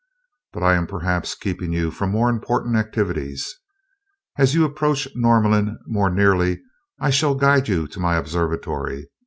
But I am perhaps keeping you from more important activities. As you approach Norlamin more nearly, I shall guide you to my observatory.